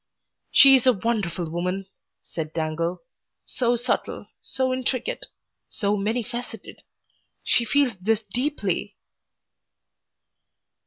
"She is a wonderful woman," said Dangle. "So subtle, so intricate, so many faceted. She feels this deeply."